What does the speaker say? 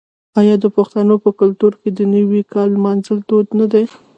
آیا د پښتنو په کلتور کې د نوي کال لمانځل دود نه دی؟